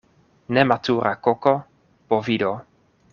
nematura koko, bovido